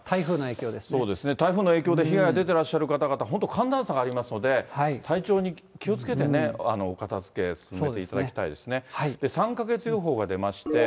そうですね、台風の影響で被害が出てらっしゃる方々、本当、寒暖差がありますので、体調に気をつけてね、お片づけ、進めていただきたいですね。